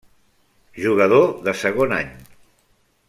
Jugador de segon any.